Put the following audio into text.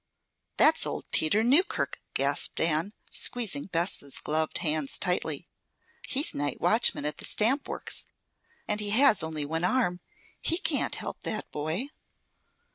"That's old Peter Newkirk," gasped Nan, squeezing Bess' gloved hands tightly. "He's night watchman at the stamp works, and he has only one arm. He can't help that boy."